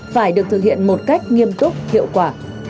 phải được thực hiện một cách nghiêm túc hiệu quả